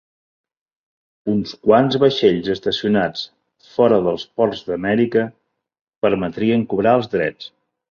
Uns quants vaixells estacionats fora dels ports d'Amèrica permetrien cobrar els drets.